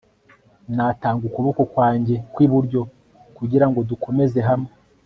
natanga ukuboko kwanjye kwiburyo kugirango dukomeze hamwe